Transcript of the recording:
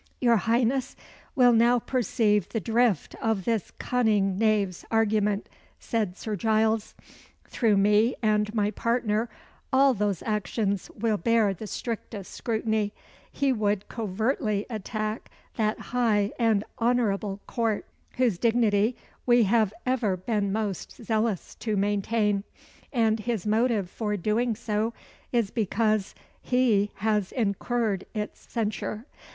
"Your Highness will now perceive the drift of this cunning knave's argument," said Sir Giles. "Through me and my partner, all whose actions will bear the strictest scrutiny, he would covertly attack that high and honourable Court, whose dignity we have ever been most zealous to maintain; and his motive for doing so is because he has incurred its censure.